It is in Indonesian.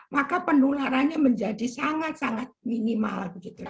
maka penularannya menjadi sangat sangat minimal